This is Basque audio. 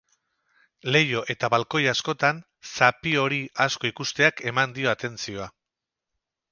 Leiho eta balkoi askotan zapi ori asko ikusteak eman dio atentzioa.